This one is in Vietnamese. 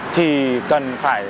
thì cần phải